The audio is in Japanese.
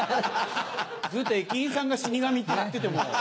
ずっと駅員さんが死神って言ってても。